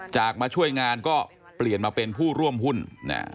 มาช่วยงานก็เปลี่ยนมาเป็นผู้ร่วมหุ้น